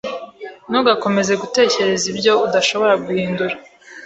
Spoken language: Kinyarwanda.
ntugakomeze gutekereza ibyo udashobora guhindura.